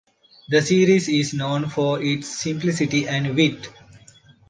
The series is known for its simplicity and wit.